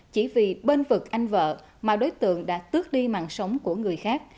chỉ vì bên vực anh vợ mà đối tượng đã tước đi mạng sống của người khác